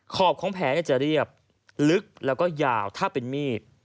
ขอบของแผลจะเรียบลึกแล้วก็ยาวถ้าเป็นมีด